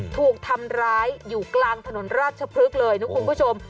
ถูกทำร้ายอยู่กลางถนนราชพฤกษ์เลยนะคุณผู้ชม